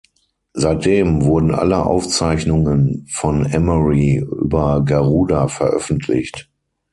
Seitdem wurden alle Aufzeichnungen von Emery über Garuda veröffentlicht.